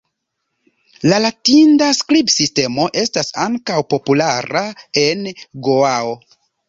La latinida skribsistemo estas ankaŭ populara en Goao.